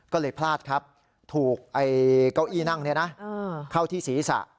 ก็เลยพลาดครับถูกเก้าอี้นั่งเข้าที่ศีรษะ